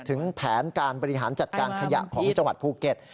ถึงแผนการบริหารจัดการขยะของจังหวัดภูเก็ต